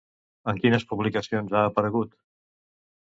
En quines publicacions ha aparegut?